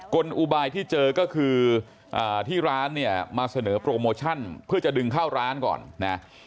ลอุบายที่เจอก็คือที่ร้านเนี่ยมาเสนอโปรโมชั่นเพื่อจะดึงเข้าร้านก่อนนะ